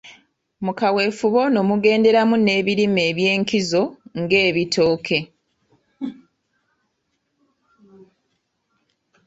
Mu kaweefube ono mugenderamu n’ebirime ebyenkizo ng’ebitooke.